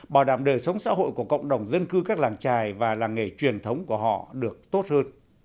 bảo đảm đời sống xã hội của cộng đồng dân cư các làng trài và làng nghề truyền thống của họ được tốt hơn